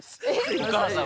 お母さん！？